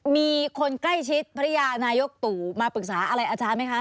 มีคนใกล้ชิดภรรยานายกตู่มาปรึกษาอะไรอาจารย์ไหมคะ